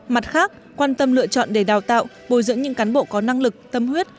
mặt khác quan tâm lựa chọn để đào tạo bồi dưỡng những cán bộ có năng lực tâm huyết